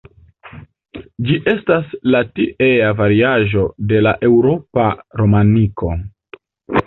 Ĝi estas la tiea variaĵo de la eŭropa romaniko.